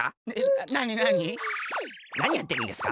なにやってるんですか？